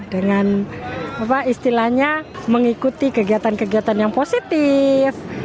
dengan istilahnya mengikuti kegiatan kegiatan yang positif